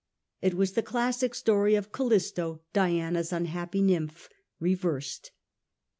It was the classic story of Calisto, Diana's unhappy nymph, reversed.